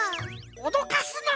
おどかすな。